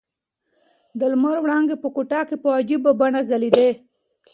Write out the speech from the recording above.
د لمر وړانګې په کوټه کې په عجیبه بڼه ځلېدې.